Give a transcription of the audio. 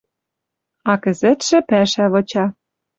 А кӹзӹтшӹ пӓшӓ выча: